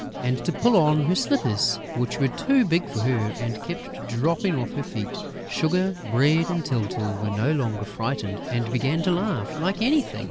and to pull on her slippers, which were too big for her and kept dropping off her feet. Sugar, Bread and Tyltyl were no longer frightened and began to laugh like anything.